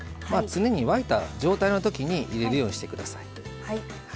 常に沸いた状態のときに入れるようにしてください。